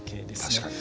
確かに。